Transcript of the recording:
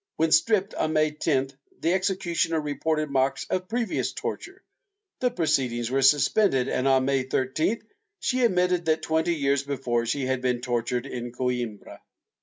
When stripped, on May 10th, the executioner reported marks of previous torture; the proceedings were suspended and, on May 13th, she admitted that, twenty years before, she had been tortured in Coimbra.